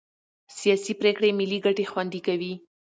سیاسي پرېکړې ملي ګټې خوندي کوي